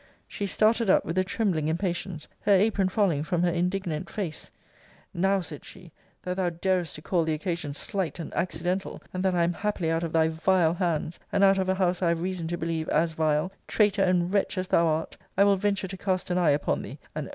She started up with a trembling impatience, her apron falling from her indignant face now, said she, that thou darest to call the occasion slight and accidental, and that I am happily out of thy vile hands, and out of a house I have reason to believe as vile, traitor and wretch as thou art, I will venture to cast an eye upon thee and Oh!